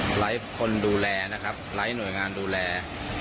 หลายคนดูแลนะครับไร้หน่วยงานดูแล